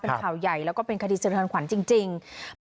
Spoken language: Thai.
เป็นข่าวใหญ่แล้วก็เป็นคดีสะเทือนขวัญจริง